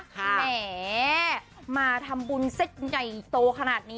แหมมาทำบุญเซ็ตใหญ่โตขนาดนี้